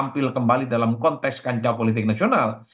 tampil kembali dalam kontes kancah politik nasional